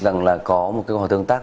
rằng là có một cái hòa thương tác